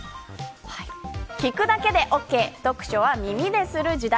聞くだけでオーケー読書は耳でする時代。